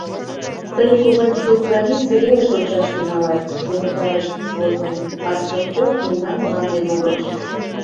Тый, Ковальчук, граница велыш ончаш тӱҥалат, — умылтарыш взводный, — а Скворцов — мемнан мланде могырыш.